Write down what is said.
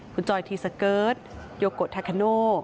คุณจอยทีสเกิร์ตโยโกทาคาโน